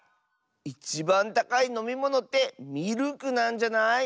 いちばんたかいのみものってミルクなんじゃない？